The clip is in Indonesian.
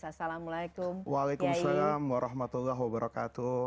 assalamualaikum waalaikumsalam wa rahmatullah wabarakatuh